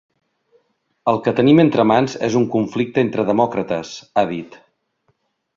El que tenim entre mans és un conflicte entre demòcrates, ha dit.